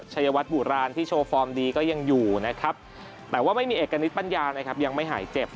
ใช่นะครับก็เดี๋ยวไม่แน่ว่าอาจจะไปอีก